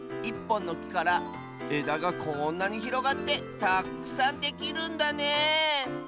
１ぽんのきからえだがこんなにひろがってたくさんできるんだね